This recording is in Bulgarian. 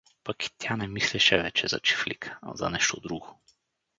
Пък и тя не мислеше вече за чифлика, а за нещо друго.